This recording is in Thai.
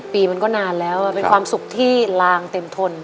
ปีมันก็นานแล้วเป็นความสุขที่ลางเต็มทน